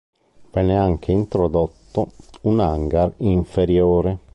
Venne anche introdotto un hangar inferiore.